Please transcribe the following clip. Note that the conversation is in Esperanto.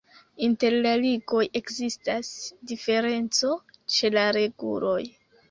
Inter la ligoj ekzistas diferenco ĉe la reguloj.